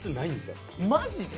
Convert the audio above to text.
マジで？